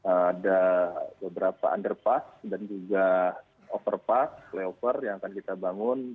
ada beberapa underpass dan juga overpass flyover yang akan kita bangun